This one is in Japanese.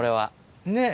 ねっ。